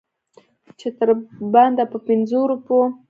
چې تر بنده په پنځو روپو.